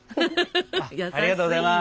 ありがとうございます。